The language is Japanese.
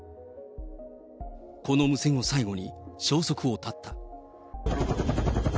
この無線を最後に、消息を絶った。